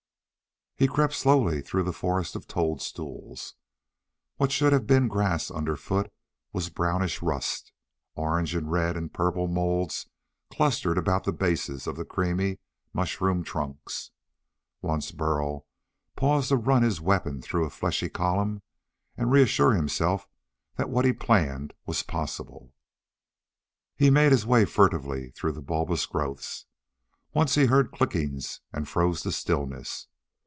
He crept slowly through the forest of toadstools. What should have been grass underfoot was brownish rust. Orange and red and purple moulds clustered about the bases of the creamy mushroom trunks. Once, Burl paused to run his weapon through a fleshy column and reassure himself that what he planned was possible. He made his way furtively through the bulbous growths. Once he heard clickings and froze to stillness.